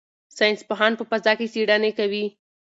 ساینس پوهان په فضا کې څېړنې کوي.